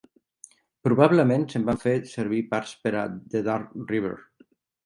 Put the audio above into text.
Probablement se'n van fer servir parts per a "The Dark River".